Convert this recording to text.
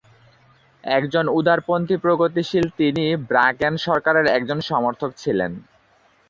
একজন উদারপন্থী- প্রগতিশীল, তিনি ব্রাকেন সরকারের একজন সমর্থক ছিলেন।